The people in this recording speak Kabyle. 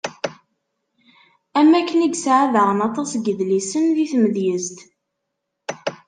Am wakken i yesεa daɣen aṭas n yidlisen di tmedyezt.